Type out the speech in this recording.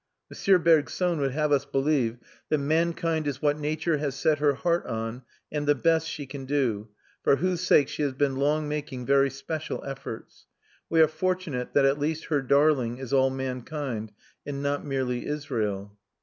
M. Bergson would have us believe that mankind is what nature has set her heart on and the best she can do, for whose sake she has been long making very special efforts. We are fortunate that at least her darling is all mankind and not merely Israel.